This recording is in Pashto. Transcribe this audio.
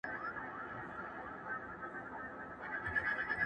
اوبه کړی مو په وینو دی ګلشن خپل،